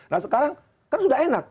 nah sekarang kan sudah enak